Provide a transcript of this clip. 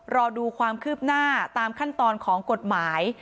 รอดูความคืบหน้าตามขั้นตอนของกฎหมาย